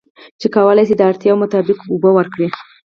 چې کولی شي د اړتیا مطابق اوبه ورکړي.